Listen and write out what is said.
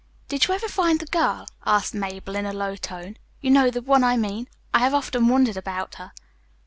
"Did you ever find the girl?" asked Mabel in a low tone. "You know the one I mean. I have often wondered about her."